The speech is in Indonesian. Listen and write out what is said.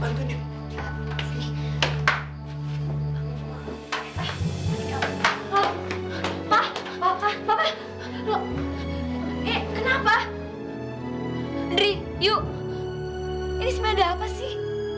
ini sebenarnya ada apa sih